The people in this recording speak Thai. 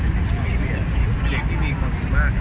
เป็นติดตีที่มีความดีมากนะครับ